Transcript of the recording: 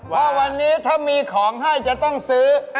ว่าวันนี้ถ้ามีของให้จะต้องซื้อ